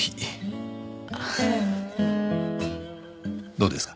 どうですか？